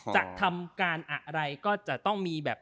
จะทำการอะไรก็จะต้องมีแบบ